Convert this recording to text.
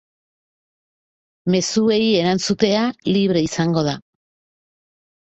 Mezuei erantzutea libre izango da.